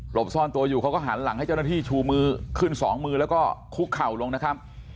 บซ่อนตัวอยู่เขาก็หันหลังให้เจ้าหน้าที่ชูมือขึ้นสองมือแล้วก็คุกเข่าลงนะครับ